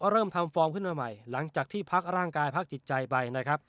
เริ่มทำฟอร์มขึ้นมาใหม่หลังจากที่พักร่างกายพักจิตใจไปนะครับ